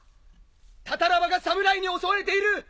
タタラ場が侍に襲われている！